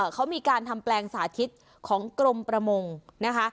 เขามีการทำแปลงสาธิตของกรมประมงนะคะ